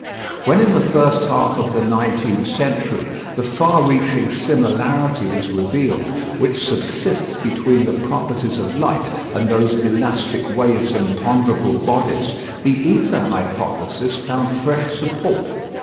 When in the first half of the nineteenth century the far reaching similarity was revealed which subsists between the properties of light and those of elastic waves in ponderable bodies, the ether hypothesis found fresh support.